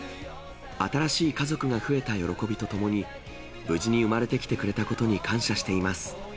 新しい家族が増えた喜びとともに、無事に産まれてきてくれたことに感謝しています。